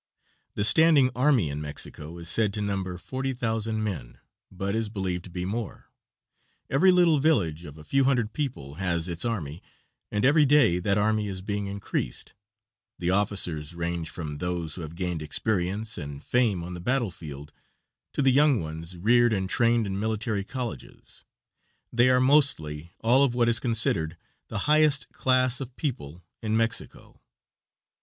The standing army in Mexico is said to number forty thousand men, but is believed to be more. Every little village of a few hundred people has its army, and every day that army is being increased; the officers range from those who have gained experience and fame on the battlefield to the young ones reared and trained in military colleges; they are mostly all of what is considered the highest class of people in Mexico.